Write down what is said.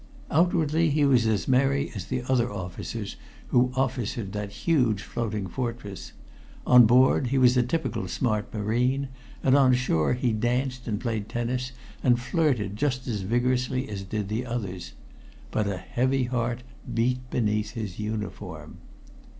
Outwardly he was as merry as the other fellows who officered that huge floating fortress; on board he was a typical smart marine, and on shore he danced and played tennis and flirted just as vigorously as did the others. But a heavy heart beat beneath his uniform.